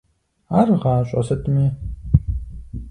Ар гъащӀэ сытми?